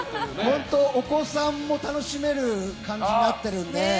本当、お子さんも楽しめる感じになっているので。